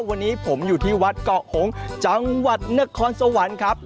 วันนี้ผมอยู่ที่วัดเกาะหงจังหวัดนครสวรรค์ครับ